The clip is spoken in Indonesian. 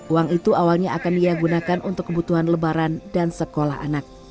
uang itu awalnya akan ia gunakan untuk kebutuhan lebaran dan sekolah anak